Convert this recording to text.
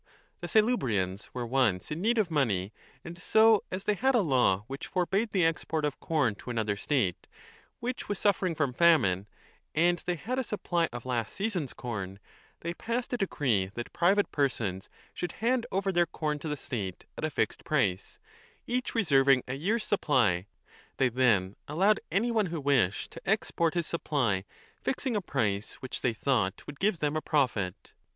The Selybrians were once in need of money ; and so, as they had a law which forbade the export of corn to another state 2 which was suffering from famine, and they 35 had a supply of last season s corn, they passed a decree that private persons should hand over their corn to the state at i349 a a fixed price, each reserving a year s supply ; they then allowed any one who wished to export his supply, fixing a price which they thought would give them a profit.